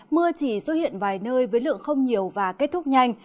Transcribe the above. mưa chỉ xuất hiện vài nơi với lượng không nhiều và kết thúc nhanh